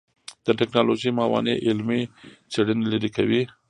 د ټکنالوژۍ موانع علمي څېړنې لرې کوي.